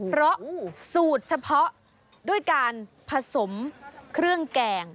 เพราะสูตรเฉพาะด้วยการผสมเครื่องแกง